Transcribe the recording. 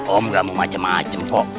om gak mau macem macem kok